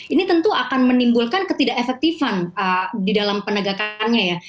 ini tentu akan menimbulkan ketidak efektifan di dalam penegakannya ya